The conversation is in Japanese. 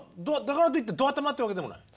だからといってど頭ってわけでもない？